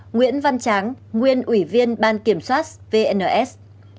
một nguyễn văn tráng nguyên ủy viên ban kiểm soát vns